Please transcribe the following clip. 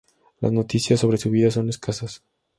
Las noticias sobre su vida son escasas.